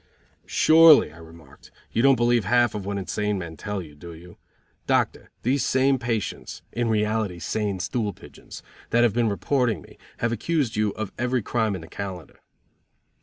"Surely," I remarked, "you don't believe half what insane men tell you, do you? Doctor, these same patients (in reality sane stool pigeons) that have been reporting me, have accused you of every crime in the calendar."